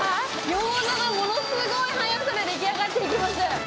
ギョーザがものすごい速さで出来上がっていきます。